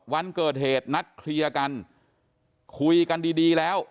วันเกิดเหตุนัดเคลียร์กันคุยกันดีดีแล้ว